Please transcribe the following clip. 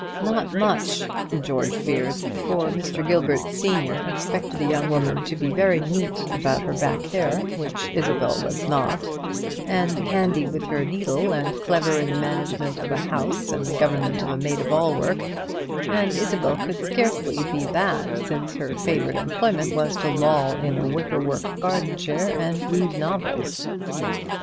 Not much, George feared; for Mr. Gilbert senior expected a young woman to be very neat about her back hair, which Isabel was not, and handy with her needle, and clever in the management of a house and the government of a maid of all work; and Isabel could scarcely be that, since her favourite employment was to loll in a wicker work garden chair and read novels.